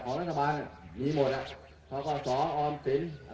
เมืองอัศวินธรรมดาคือสถานที่สุดท้ายของเมืองอัศวินธรรมดา